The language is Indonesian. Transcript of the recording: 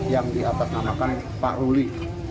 yang diatasnamakan pak ruli